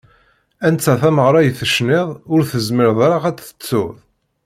Anta tameɣra i tecniḍ, ur tezmireḍ ara ad tt-tettuḍ?